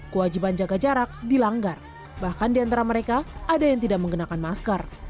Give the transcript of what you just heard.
kewajiban jaga jarak dilanggar bahkan di antara mereka ada yang tidak menggunakan masker